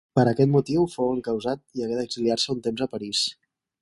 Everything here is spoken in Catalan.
Per aquest motiu fou encausat i hagué d'exiliar-se un temps a París.